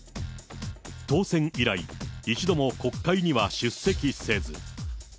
当選以来、一度も国会には出席せず。